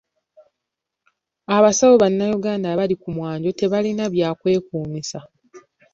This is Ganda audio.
Abasawo bannayuganda abali ku mwanjo tebalina bya kwekuumisa.